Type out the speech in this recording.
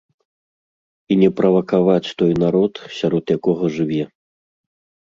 І не правакаваць той народ, сярод якога жыве.